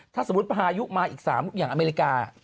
ถ้าสมมุติพายุมาอีก๓อย่างอเมริกา